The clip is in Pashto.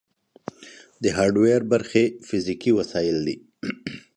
د هارډویر برخې فزیکي وسایل دي.